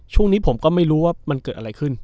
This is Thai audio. ช่วงนี้ผมก็ไม่รู้ว่ามันเกิดอะไรขึ้น